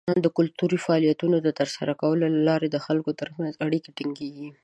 د کلتوري فعالیتونو د ترسره کولو له لارې د خلکو تر منځ اړیکې ټینګیږي.